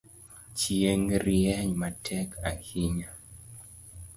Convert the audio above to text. Chieng’ rieny matek ahinya